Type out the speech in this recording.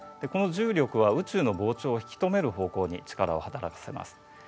この重力は宇宙の膨張を引き止める方向に力を働かせます。